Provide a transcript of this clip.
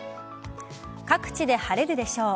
各地で晴れるでしょう。